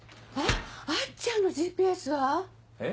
あっちゃんのＧＰＳは？えっ？